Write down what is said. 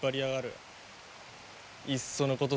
いっそのこと